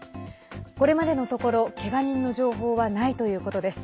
これまでのところけが人の情報はないということです。